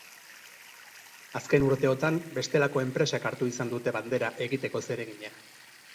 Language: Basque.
Azken urteotan, bestelako enpresek hartu izan dute bandera egiteko zeregina.